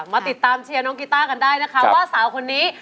มาติดตามเชียร์น้องกีต้ากันได้นะคะว่าสาวคนนี้